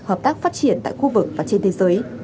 hợp tác phát triển tại khu vực và trên thế giới